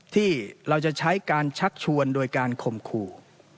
ที่เราจะใช้การชักชวนโดยการข่มขู่